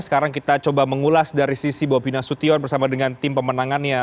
sekarang kita coba mengulas dari sisi bobi nasution bersama dengan tim pemenangannya